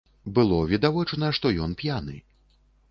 Было відавочна, што ён п'яны.